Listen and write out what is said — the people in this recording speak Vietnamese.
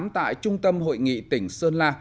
tại trung tâm hội nghị tỉnh sơn la